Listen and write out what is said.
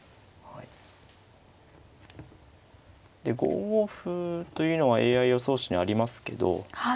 で５五歩というのはＡＩ予想手にありますけど。